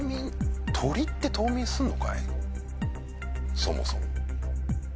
そもそも。